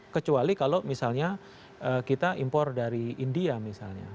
kecuali kalau misalnya kita impor dari india misalnya